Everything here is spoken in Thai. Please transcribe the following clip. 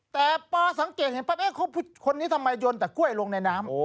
แต่ปอสังเกตเห็นปั๊บคนนี้ทำไมยนแต่กล้วยลงในน้ำ